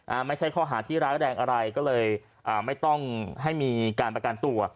ไม่ใช่ข้อหาที่ร้ายแรงอะไรก็เลยอ่าไม่ต้องให้มีการประกันตัว